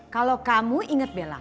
kalau kamu inget bella